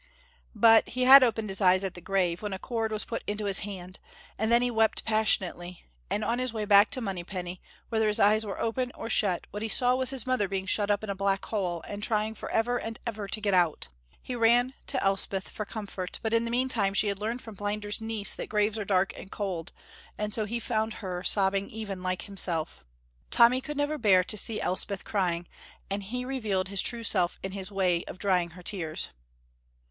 But he had opened his eyes at the grave, when a cord was put into his hand, and then he wept passionately, and on his way back to Monypenny, whether his eyes were open or shut, what he saw was his mother being shut up in a black hole and trying for ever and ever to get out. He ran to Elspeth for comfort, but in the meantime she had learned from Blinder's niece that graves are dark and cold, and so he found her sobbing even like himself. Tommy could never bear to see Elspeth crying, and he revealed his true self in his way of drying her tears.